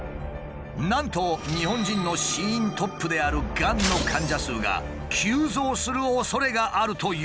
なんと日本人の死因トップであるがんの患者数が急増するおそれがあるというのだ。